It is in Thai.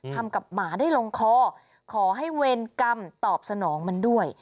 ทำกับหมาได้ลงคอขอให้เวรกรรมตอบสนองมันด้วย